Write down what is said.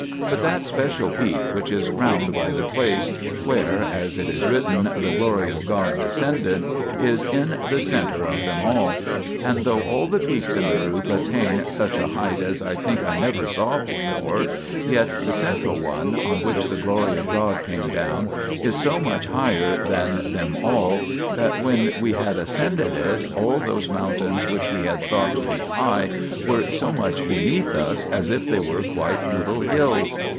But that special peak which is crowned by the place where, as it is 1 Exod. xxiv. 1 8. 2 Exod. xxxii. ' Exod. iii. I ff. * LXX, *opo'c : Eng. Bible, Paran. THE PILGRIMAGE OF ETHERIA 3 written, the Glory of God descended, is in the centre of them all. 1 And though all the peaks in the group attain such a height as I think I never saw before, yet the central one, on which the Glory of God came down, is so much higher than them all, that when we had ascended it, all those mountains which we had thought to be high, were so much beneath us as if they were quite little hills.